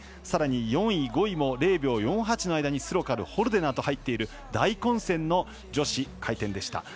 さらに４位、５位も０秒４８の間にスロカル、ホルデナーと入っている大混戦の女子回転でした。